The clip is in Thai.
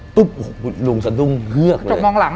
ปุ๊บลุงสดุ้งเหลือกเลยอเรนนี่จบมองหลัง